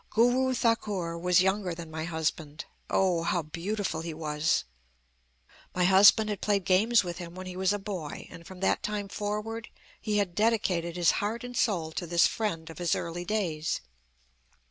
"Guru Thakur was younger than my husband. Oh! how beautiful he was! "My husband had played games with him when he was a boy; and from that time forward he had dedicated his heart and soul to this friend of his early days.